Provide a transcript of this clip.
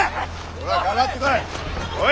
ほらかかってこい！